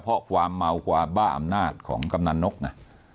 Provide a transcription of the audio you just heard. เพราะความเมาความบ้าอำนาจของกำนันนกไง